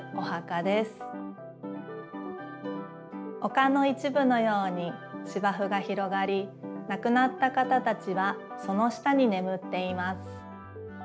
丘のいちぶのようにしばふが広がり亡くなった方たちはその下にねむっています。